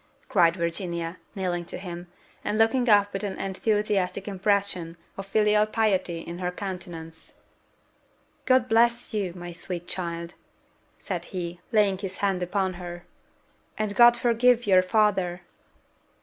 cried Virginia, kneeling to him, and looking up with an enthusiastic expression of filial piety in her countenance. "God bless you, my sweet child!" said he, laying his hand upon her; "and God forgive your father!"